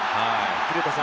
古田さん